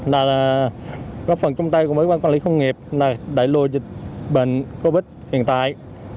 và góp phần chung tay của bản quản lý khu công nghiệp là đẩy lùi dịch bệnh covid hiện tại